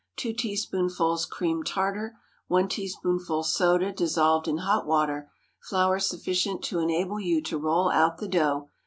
2 teaspoonfuls cream tartar. 1 teaspoonful soda dissolved in hot water. Flour sufficient to enable you to roll out the dough.